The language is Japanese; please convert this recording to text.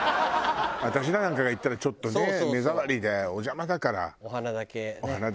私らなんかが行ったらちょっとね目障りでお邪魔だから。